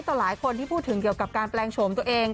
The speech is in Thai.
ต่อหลายคนที่พูดถึงเกี่ยวกับการแปลงโฉมตัวเอง